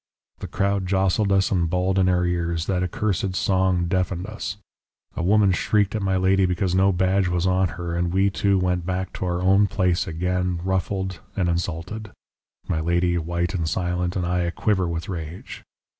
The crowd jostled us and bawled in our ears; that accursed song deafened us; a woman shrieked at my lady because no badge was on her, and we two went back to our own place again, ruffled and insulted my lady white and silent, and I aquiver with rage.